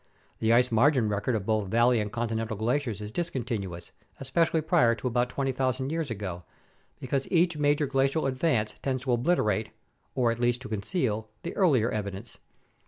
The ice margin record of both valley and continental glaciers is discontinuous, especially prior to about 20,000 years ago, because each major glacial advance tends to obliterate (or at least to conceal) the earlier evidence.